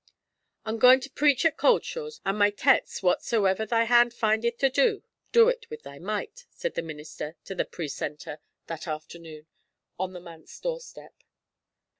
'I'm gaun to preach at Cauldshaws, and my text's "Whatsoever thy hand findeth to do, do it with thy might,"' said the minister to the precentor that afternoon, on the manse doorstep.